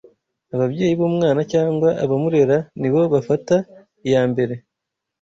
Ababyeyi b’umwana cyangwa abamurera ni bo bafata iya mbere